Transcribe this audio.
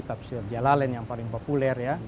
tafsir jalalin yang paling populer ya